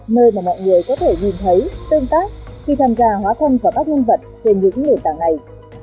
nơi mà mọi người có thể nhìn thấy tương tác khi tham gia hóa thân vào các nhân vật trên những nền tảng này